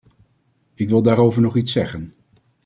Ik wil daarover nog iets zeggen.